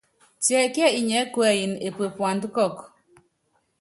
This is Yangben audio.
Tiɛkíɛ inyiɛ́ kuɛyini epue puanda kɔkɔ?